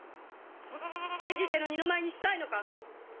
ペジテの二の舞いにしたいのか？